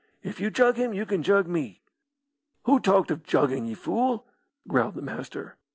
If you jug him you can jug me." "Who talked of juggin', ye fool?" growled the Master.